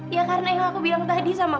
ya karena yang aku bilang tadi sama kamu lah